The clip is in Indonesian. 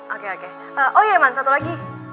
oke oke oh iya eman satu lagi